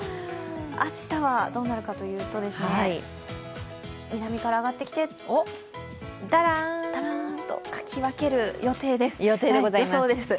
明日はどうなるかといいますと南から上がってきて、だらーんと、かき分ける予報です。